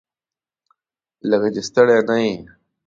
لکه چې ستړی نه یې؟